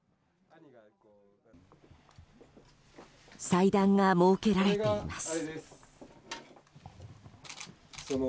祭壇が設けられています。